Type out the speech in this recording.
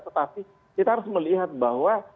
tetapi kita harus melihat bahwa